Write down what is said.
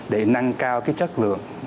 để nâng cao cái chất lượng